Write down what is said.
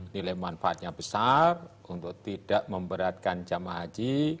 nilai manfaatnya besar untuk tidak memberatkan jamaah haji